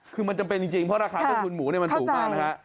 คือมันจำเป็นจริงเพราะราคาต้นทุนหมูมันสูงมากนะฮะ